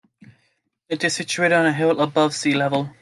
It is situated on a hill above sea level.